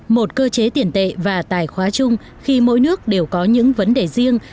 một cơ chế tiền tệ và tài khoá chung khi mỗi nước đều có những vấn đề riêng